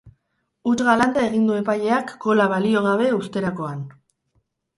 Huts galanta egin du epaileak gola balio gabe uzterakoan.